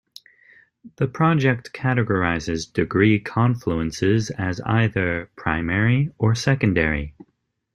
The project categorizes degree confluences as either "primary" or "secondary".